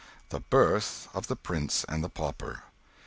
The birth of the Prince and the Pauper.